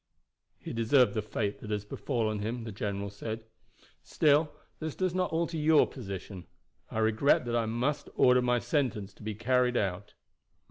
"He deserved the fate that has befallen him," the general said. "Still this does not alter your position. I regret that I must order my sentence to be carried out."